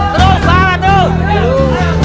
terus bawa tuh